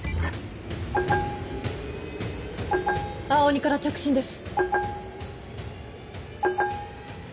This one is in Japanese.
青鬼から着信です。